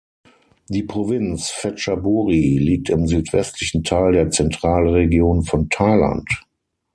Die Provinz Phetchaburi liegt im südwestlichen Teil der Zentralregion von Thailand.